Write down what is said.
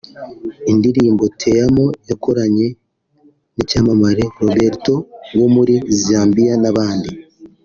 indirimbo Teamo yakoranye n’icyamamare Roberto wo muri Zambia n’abandi